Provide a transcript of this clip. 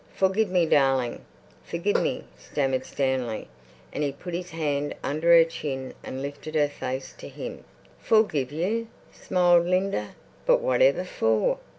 "Forgive me, darling, forgive me," stammered Stanley, and he put his hand under her chin and lifted her face to him. "Forgive you?" smiled Linda. "But whatever for?"